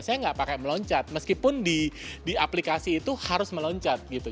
saya nggak pakai meloncat meskipun di aplikasi itu harus meloncat gitu